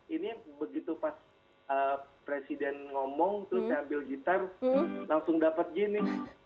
ini ini ini begitu pas presiden ngomong terus ambil gitar langsung dapat gini